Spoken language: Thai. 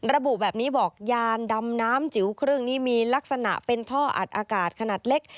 ระบุแบบนี้บอกยานดำน้ำจิ๋วครึ่งนี้มีลักษณะเป็นท่ออัดอากาศขนาดเล็ก